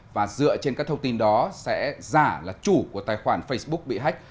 và dựa trên các thông tin đó sẽ giả là chủ của tài khoản facebook bị hách